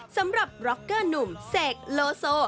สำหรับร็อกเกอร์หนุ่มเสกโลโซ